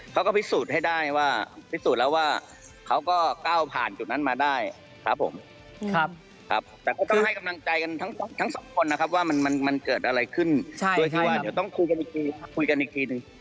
เขาก็พิสูจน์ให้ได้ว่าพิสูจน์แล้วว่าเขาก็ก้าวผ่านจุดนั้นมาได้ครับผมครับแต่ก็คือให้กำลังใจกันทั้งสองคนนะครับว่ามันเกิดอะไรขึ้นโดยที่ว่าเดี๋ยวต้องคุยกันอีกทีคุยกันอีกทีหนึ่ง